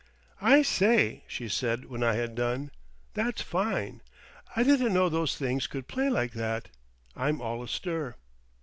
"I say," he said when I had done, "that's fine. I didn't know those things could play like that. I'm all astir..."